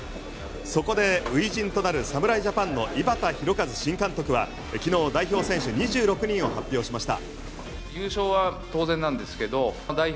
そこで初陣となる侍ジャパンの井端弘和新監督は昨日、代表選手２６人を発表しました。